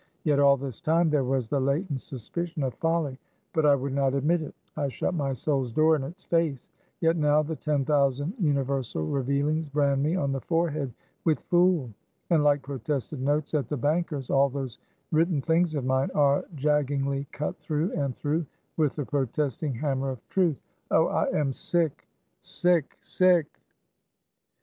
Yet all this time, there was the latent suspicion of folly; but I would not admit it; I shut my soul's door in its face. Yet now, the ten thousand universal revealings brand me on the forehead with fool! and like protested notes at the Bankers, all those written things of mine, are jaggingly cut through and through with the protesting hammer of Truth! Oh, I am sick, sick, sick!"